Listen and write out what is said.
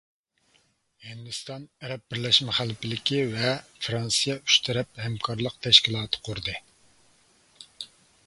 ھىندىستان، ئەرەب بىرلەشمە خەلىپىلىكى ۋە فىرانسىيە ئۈچ تەرەپ ھەمكارلىق تەشكىلاتى قۇردى.